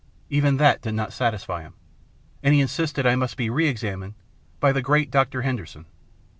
Even that did not satisfy him, and he insisted I must be re examined by the great Doctor Hender son.